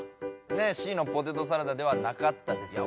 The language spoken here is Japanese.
Ｃのポテトサラダではなかったですが。